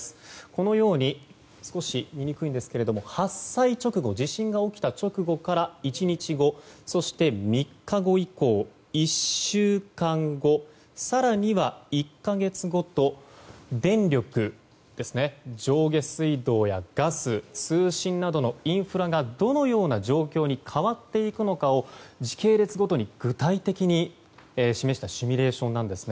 このように少し見にくいんですが発災直後地震が起きた直後から１日後そして３日後以降１週間後、更には１か月後と電力、上下水道、ガス通信などのインフラがどのような状況に変わっていくのかを時系列ごとに具体的に示したシミュレーションです。